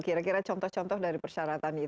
kira kira contoh contoh dari persyaratan itu